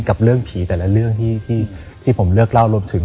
กับเรื่องผีแต่ละเรื่องที่ผมเลิกเล่ารวมถึง